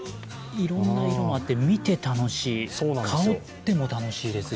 いろんな色があって、見て楽しい香っても楽しいです。